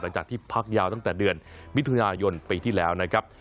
หลังจากที่พักยาวตั้งแต่เดือนมิถุนายนปีที่แล้วนะครับ